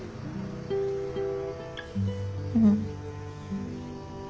うん。